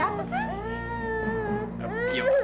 ini anak siapa kak